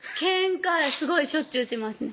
すごいしょっちゅうしますね